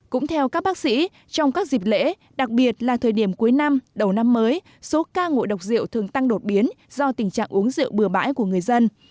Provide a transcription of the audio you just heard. cũng theo các bác sĩ trong các dịp lễ đặc biệt là thời điểm cuối năm đầu năm mới số ca ngộ độc rượu thường tăng đột biến do tình trạng uống rượu bừa bãi của người dân